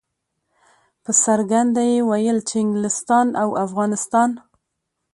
په څرګنده یې ویل چې انګلستان او افغانستان.